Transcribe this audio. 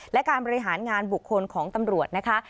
และการบริหารงานบุคคลของตำรวจนะคะ